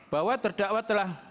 bahwa terdakwa telah